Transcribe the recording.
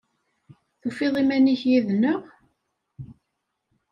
Tufiḍ iman-ik yid-neɣ?